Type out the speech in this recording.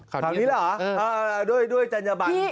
คราวนี้เหรอด้วยจัญญบัน